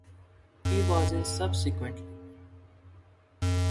He was in subsequently.